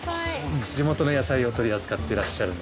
地元の野菜を取り扱ってらっしゃるので。